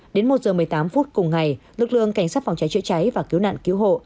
đến một h một mươi tám phút cùng ngày lực lượng cảnh sát phòng cháy chữa cháy và cứu nạn cứu hộ